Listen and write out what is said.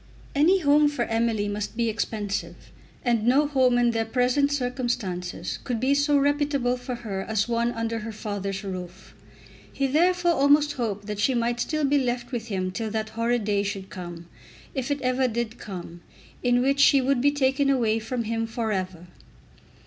Any home for Emily must be expensive; and no home in their present circumstances could be so reputable for her as one under her father's roof. He therefore almost hoped that she might still be left with him till that horrid day should come, if it ever did come, in which she would be taken away from him for ever.